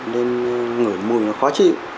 nên ngửi mùi nó khó chịu